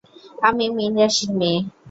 আমি মীনরাশির মেয়ে।